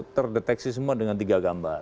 terdeteksi semua dengan tiga gambar